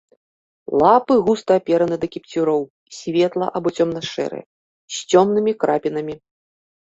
Лапы густа апераны да кіпцюроў, светла- або цёмна-шэрыя, з цёмнымі крапінамі.